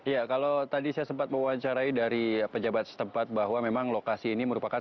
ya kalau tadi saya sempat mewawancarai dari pejabat setempat bahwa memang lokasi ini merupakan